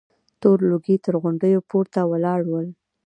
تور لوګي تر غونډيو پورته ولاړ ول.